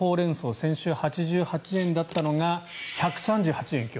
先週、８８円だったのが１３８円、今日。